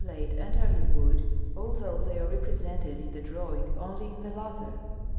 late and early wood, although they are represented in the draw ing only in the latter.